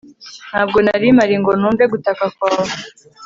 ntabwo nari mpari ngo numve gutaka kwawe